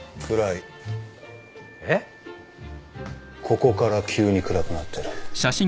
ここから急に暗くなってる。